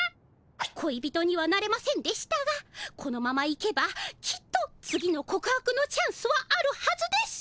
恋人にはなれませんでしたがこのままいけばきっと次の告白のチャンスはあるはずです！